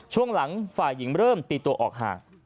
ช่วงหลังฝ่ายหญิงเริ่มตีตัวออกห่าง